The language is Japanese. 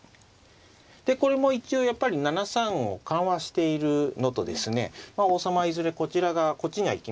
でこれも一応やっぱり７三を緩和しているのとですね王様はいずれこちら側こっちには行きません。